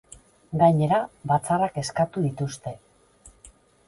Gainera, batzarrak eskatu dituzte.